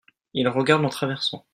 il regarde en traversant.